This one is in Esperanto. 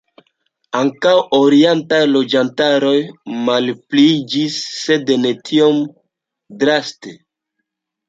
Ankaŭ orientaj loĝantaroj malpliiĝis, sed ne tiom draste.